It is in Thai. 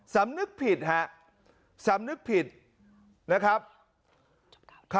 สำนึกผิดฮะสำนึกผิดนะครับ